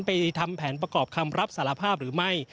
ทำแผนประกอบคำรับสารภาพหรือไม่